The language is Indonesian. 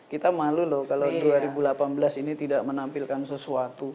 kita malu loh kalau dua ribu delapan belas ini tidak menampilkan sesuatu